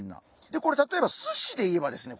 でこれ例えばすしで言えばですね